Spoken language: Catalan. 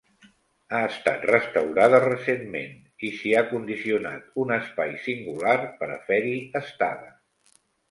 Ha estat restaurada recentment i s’hi ha condicionat un espai singular per a fer-hi estada.